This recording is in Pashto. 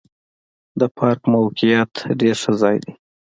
د پارک موقعیت ډېر ښه ځای دی.